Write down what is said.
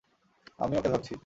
আমি ওকে ধরছি।